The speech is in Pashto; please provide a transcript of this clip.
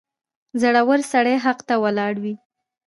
• زړور سړی حق ته ولاړ وي.